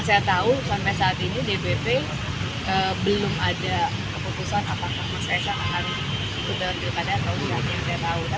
saya tahu sampai saat ini dpp belum ada keputusan apakah mas kaisang akan berada di kontestasi atau tidak